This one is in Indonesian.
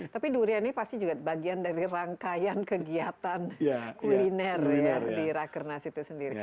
tapi durian ini pasti juga bagian dari rangkaian kegiatan kuliner ya di rakernas itu sendiri